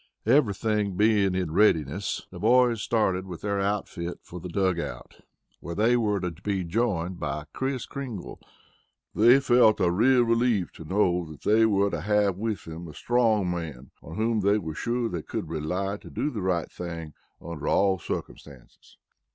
Everything being in readiness, the boys started with their outfit for the dug out, where they were to be joined by Kris Kringle. They felt a real relief to know that they were to have with them a strong man on whom they were sure they could rely to do the right thing under all circumstances.